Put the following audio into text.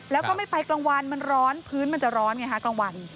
แล้วก็ไม่ไปกลางวันมันร้อนพื้นมันจะร้อนไงคะกลางวัน